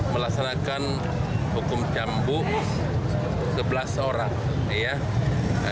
melaksanakan hukum cambuk sebelas orang